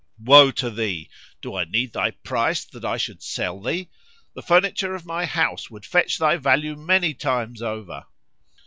Woe to thee! do I need thy price, that I should sell thee? The furniture of my house would fetch thy value many times over!"